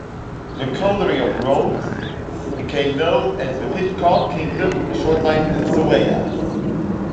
The coterie of roads became known as the Pidcock Kingdom shortlines in Sowega.